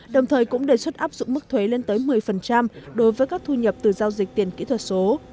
đồng thời cũng đề xuất áp dụng mức thuế lên tới một mươi đối với các thu nhập từ giao dịch tiền kỹ thuật số